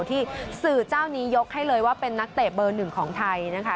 ที่สื่อเจ้านี้ยกให้เลยว่าเป็นนักเตะเบอร์หนึ่งของไทยนะคะ